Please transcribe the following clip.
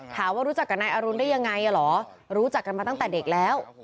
รู้จักกับนายอรุณได้ยังไงเหรอรู้จักกันมาตั้งแต่เด็กแล้ว